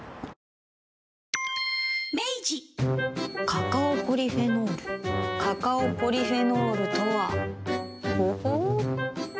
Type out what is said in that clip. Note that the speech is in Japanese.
カカオポリフェノールカカオポリフェノールとはほほう。